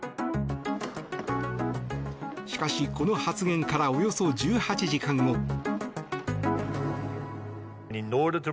しかし、この発言からおよそ１８時間後。